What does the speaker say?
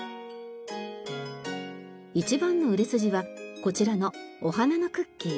一番の売れ筋はこちらのお花のクッキー。